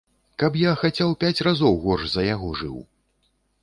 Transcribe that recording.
Каб я хаця ў пяць разоў горш за яго жыў.